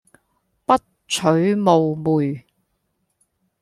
不揣冒昧